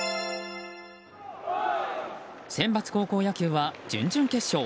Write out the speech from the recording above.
センバツ高校野球は準々決勝。